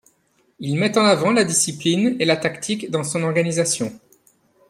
Il met en avant la discipline et la tactique dans son organisation.